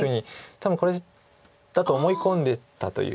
多分これだと思い込んでたということを今。